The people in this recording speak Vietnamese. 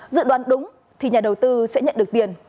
dự đoán đúng thì nhà đầu tư sẽ nhận được tiền